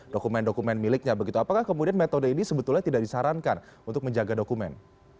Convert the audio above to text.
dokumen dokumen miliknya begitu apakah kemudian metode ini sebetulnya tidak disarankan untuk menjaga dokumen